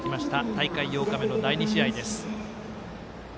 大会８日目の第２試合です。